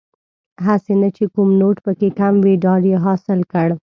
هسې نه چې کوم نوټ پکې کم وي ډاډ یې حاصل کړ.